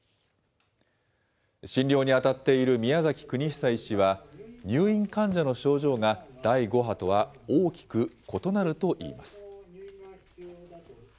診療に当たっている宮崎国久医師は、入院患者の症状が第５波とは大きく異なるといいます。